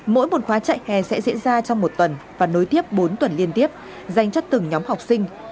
mỗi một khóa chạy hè sẽ diễn ra trong một tuần và nối tiếp bốn tuần liên tiếp dành cho từng nhóm học sinh